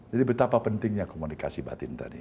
jadi betapa pentingnya komunikasi batin tadi